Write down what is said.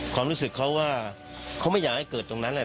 ความรู้สึกเขาว่าเขาไม่อยากให้เกิดตรงนั้นแหละ